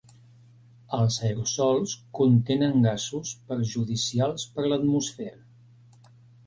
Els aerosols contenen gasos perjudicials per l'atmosfera.